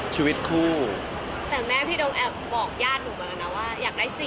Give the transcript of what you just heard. ชีวิตคู่แต่แม่พี่โดมแอบบอกญาติหนูมาแล้วนะว่าอยากได้สิ